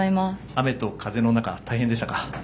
雨と風の中、大変でしたか？